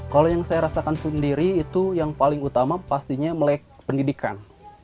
kalau yang saya rasakan sendiri itu yang paling utama pastinya melek pendidikan